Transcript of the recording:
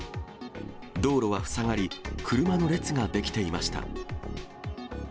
道路は塞がり、車の列が出来ていました。